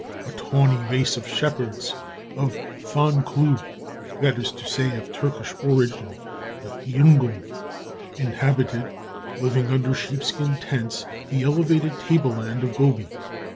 A tawny race of shepherds of Thon Klüu that is to say, of Turkish origin, the Hioungum inhabited, living under sheepskin tents, the elevated table land of Gobi.